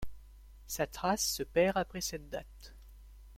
Sa trace se perd après cette date.